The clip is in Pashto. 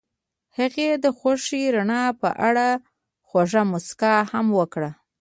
هغې د خوښ رڼا په اړه خوږه موسکا هم وکړه.